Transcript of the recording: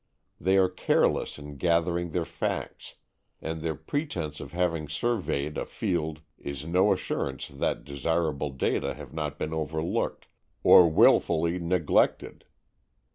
They are careless in gathering their facts, and their pretence of having surveyed a field is no assurance that desirable data have not been overlooked or wilfully neglected.